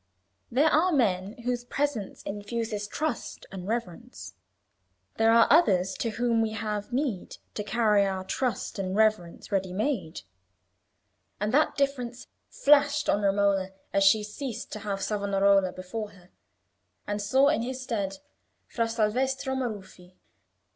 There are men whose presence infuses trust and reverence; there are others to whom we have need to carry our trust and reverence ready made; and that difference flashed on Romola as she ceased to have Savonarola before her, and saw in his stead Fra Salvestro Maruffi.